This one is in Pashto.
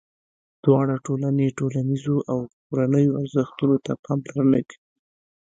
دواړه ټولنې ټولنیزو او کورنیو ارزښتونو ته پاملرنه کوي.